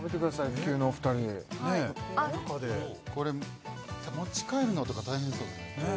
キュウのお二人これ持ち帰るのとか大変そうですね